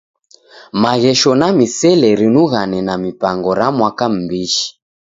Maghesho na misele rinighane na mipango ra mwaka m'mbishi.